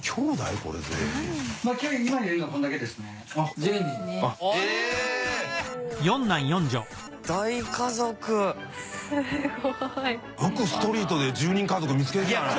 よくストリートで１０人家族見つけてきたね。